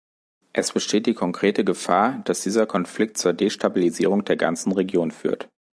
Es besteht die konkrete Gefahr, dass dieser Konflikt zur Destabilisierung der ganzen Region führt.